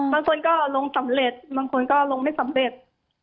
บางคนก็ลงสำเร็จบางคนก็ลงไม่สำเร็จ